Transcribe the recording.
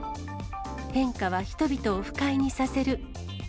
変化は人々を不快にさせる。